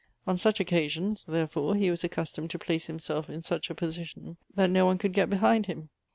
On such occa sions, therefore, he was accustomed to place himself in such a position that no one could get behind him.